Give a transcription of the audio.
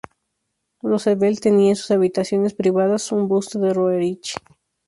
Roosevelt tenía en sus habitaciones privadas un busto de Roerich.